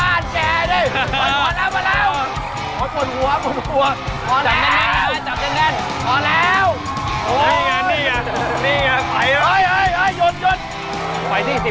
อะถ้าพร้อมแล้วไปเลยฮะ